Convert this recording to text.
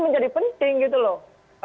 menjadi penting gitu loh